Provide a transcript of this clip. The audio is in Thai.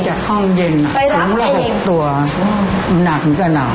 จากห้องเย็นถึงละ๖ตัวหนักนิก็หนัก